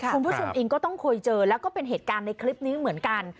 คุณผู้ชมเองก็ต้องเคยเจอแล้วก็เป็นเหตุการณ์ในคลิปนี้เหมือนกัน